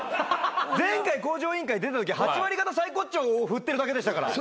前回『向上委員会』出たとき８割方サイコッチョーを振ってるだけでしたから。